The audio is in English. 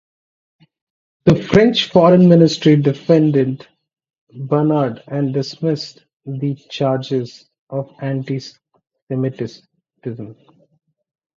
The French Foreign Ministry defended Bernard and dismissed the charges of anti-Semitism.